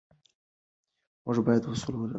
موږ باید اصول ولرو.